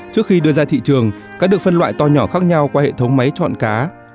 trước khi đưa ra thị trường cá được phân loại to nhỏ khác nhau qua hệ thống máy chọn cá